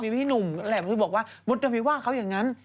พี่หนุ่มแหละบอกว่ามุฒิว่าเขาอย่างนั้น